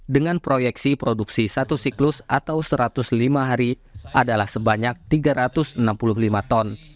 dengan proyeksi produksi satu siklus atau satu ratus lima hari adalah sebanyak tiga ratus enam puluh lima ton